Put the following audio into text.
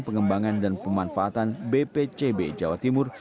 pengembangan dan pemanfaatan bpcb jawa timur